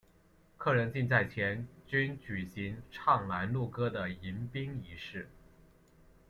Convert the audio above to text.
客人进寨前均举行唱拦路歌的迎宾仪式。